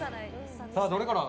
さあ、どれから？